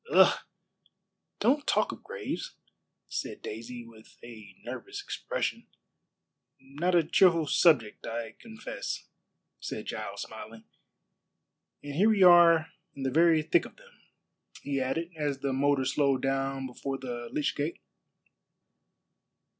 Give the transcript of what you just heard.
"Ugh! Don't talk of graves," said Daisy, with a nervous expression. "Not a cheerful subject, I confess," said Giles, smiling, "and here we are in the very thick of them," he added, as the motor slowed down before the lych gate.